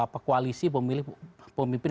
pekoalisi pemilih pemimpin